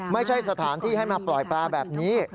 ไม่ใช่สถานที่ให้มาปล่อยปลาแบบนี้